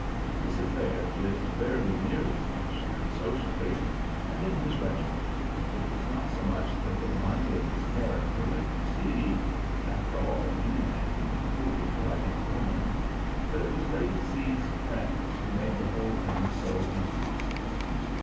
This affair did very nearly finish him socially, and in his regiment. It was not so much that they minded his caring for Lady C (after all, any man can be fooled by any woman) but it was Lady C's friends who made the whole thing so impossible.